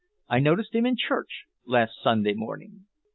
"I noticed him in church last Sunday morning."